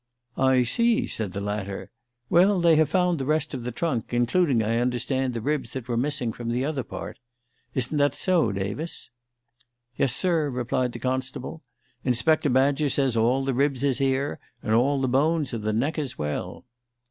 "I see," said the latter. "Well, they have found the rest of the trunk, including, I understand, the ribs that were missing from the other part. Isn't that so, Davis?" "Yes, sir," replied the constable. "Inspector Badger says all the ribs is here, and all the bones of the neck as well."